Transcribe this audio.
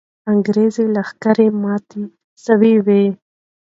انګریزي لښکر مات سوی وو.